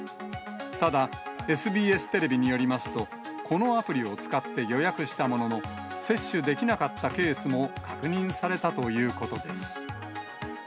ただ、ＳＢＳテレビによりますと、このアプリを使って予約したものの、接種できなかったケースも確認されたということです。